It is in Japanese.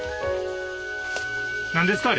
何ですか？